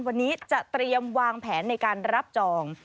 วันนี้จะเตรียมวางแผนในการรับจอง